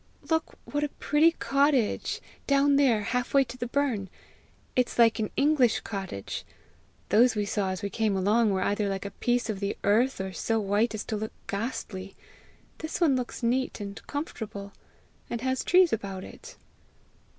"Look what a pretty cottage! down there, half way to the burn! It's like an English cottage! Those we saw as we came along were either like a piece of the earth, or so white as to look ghastly! This one looks neat and comfortable, and has trees about it!"